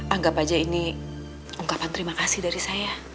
anggap aja ini ungkapan terima kasih dari saya